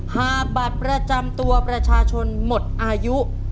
หากบัตรประจำตัวประชาชนหมดอายุ